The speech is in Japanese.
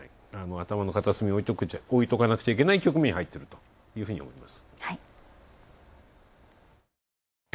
頭の片隅に置いとかなくちゃいけない局面に入っていると思います。